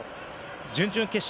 準々決勝